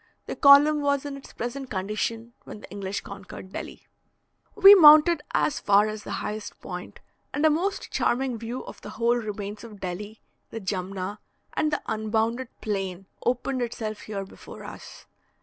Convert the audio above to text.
The column was in its present condition when the English conquered Delhi. We mounted as far as the highest point, and a most charming view of the whole remains of Delhi, the Jumna, and the unbounded plain, opened itself here before us.